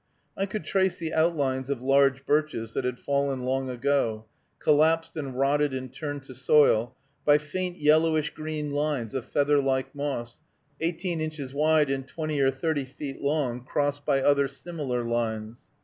I could trace the outlines of large birches that had fallen long ago, collapsed and rotted and turned to soil, by faint yellowish green lines of feather like moss, eighteen inches wide and twenty or thirty feet long, crossed by other similar lines.